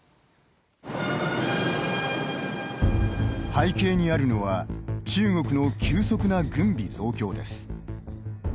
背景にあるのは中国の急速な軍備増強です。